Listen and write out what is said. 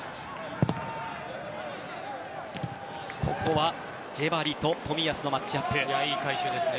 ここはジェバリと冨安のマッチアップでした。